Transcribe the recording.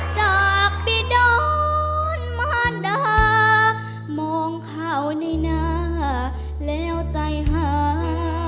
จากปีดอนมารดามองเข้าในหน้าแล้วใจหา